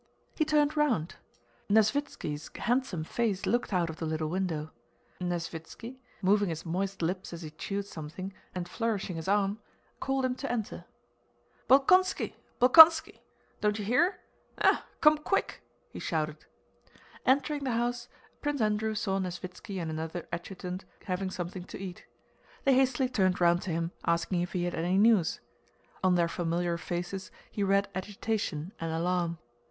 He turned round. Nesvítski's handsome face looked out of the little window. Nesvítski, moving his moist lips as he chewed something, and flourishing his arm, called him to enter. "Bolkónski! Bolkónski!... Don't you hear? Eh? Come quick..." he shouted. Entering the house, Prince Andrew saw Nesvítski and another adjutant having something to eat. They hastily turned round to him asking if he had any news. On their familiar faces he read agitation and alarm.